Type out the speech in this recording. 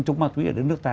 chúng ma túy ở đất nước ta